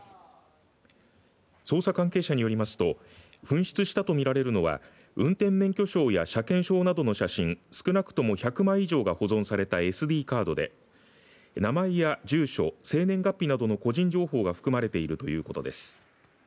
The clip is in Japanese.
捜査関係者によりますと紛失したと見られるのは運転免許証や車検証などの写真少なくとも１００枚以上が保存されたＳＤカードで名前や住所、生年月日などの個人情報が含まれているということです。